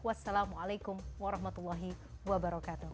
wassalamualaikum warahmatullahi wabarakatuh